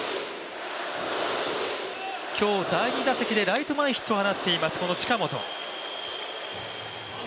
今日、第２打席でライト前ヒットを放っています、この近本。